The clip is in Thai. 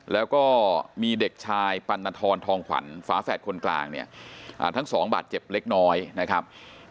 แล้วก็มีเด็กชายปัณฑรทองขวัญฝาแฝดคนกลางเนี่ยทั้งสองบาดเจ็บเล็กน้อยนะครับ